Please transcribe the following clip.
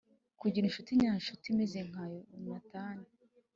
kugira incuti nyakuri imeze nka Yonatani